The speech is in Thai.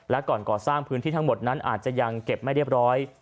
และก่อนก่อสร้างพื้นที่ทั้งหมดนั้นอาจจะยังเก็บไม่เรียบร้อย